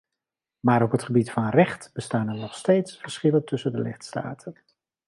Maar op het gebied van recht bestaan er nog steeds verschillen tussen de lidstaten.